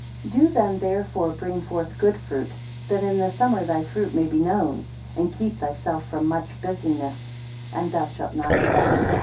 6 Do then, therefore, bring forth good fruit, that in the summer thy fruit may be known; and keep thyself from much business, and thou shalt not offend.